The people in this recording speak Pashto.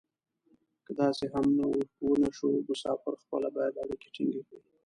که داسې هم و نه شو مسافر خپله باید اړیکې ټینګې کړي.